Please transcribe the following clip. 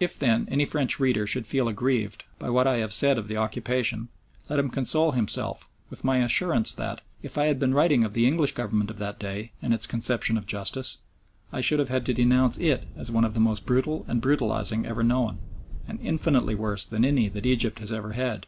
If, then, any French reader should feel aggrieved by what I have said of the occupation, let him console himself with my assurance that, if I had been writing of the English Government of that day and its conception of justice, I should have had to denounce it as one of the most brutal and brutalising ever known, and infinitely worse than any that Egypt has ever had.